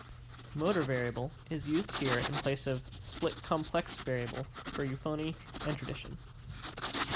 "Motor variable" is used here in place of "split-complex variable" for euphony and tradition.